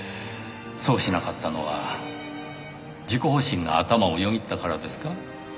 そうしなかったのは自己保身が頭をよぎったからですか？